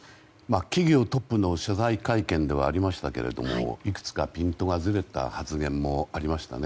企業トップの謝罪会見ではありましたけれどもいくつかピントがずれた発言もありましたね。